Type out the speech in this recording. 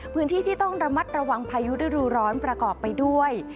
พื้นที่ที่ต้องระมัดระวังพายุฤดูร้อนประกอบไปด้วย